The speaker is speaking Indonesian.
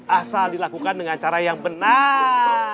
asal dilakukan dengan cara yang benar